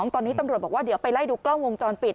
ตอนนี้ตำรวจบอกว่าเดี๋ยวไปไล่ดูกล้องวงจรปิด